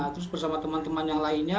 terus bersama teman teman yang lainnya